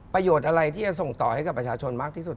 ประโยชน์อะไรที่จะส่งต่อให้กับประชาชนมากที่สุด